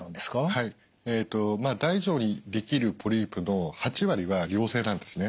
はい大腸にできるポリープの８割は良性なんですね。